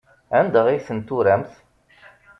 Anda ay ten-turamt?